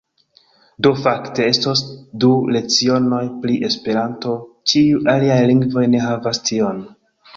Do fakte estos du lecionoj pri esperanto ĉiuj aliaj lingvoj ne havas tion.